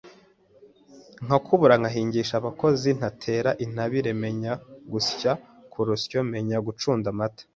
nkakubura, nkahingisha abakozi nkatera intabire, menya gusya ku rusyo, menya gucunda amata,